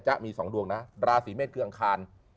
มี๒ดวงนะราศีเมษคืออังคาร